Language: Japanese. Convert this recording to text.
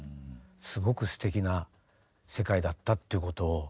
すごくすてきな世界だったっていうことを。